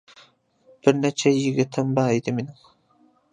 بىر نەچچە يىگىتىم بار ئىدى مېنىڭ.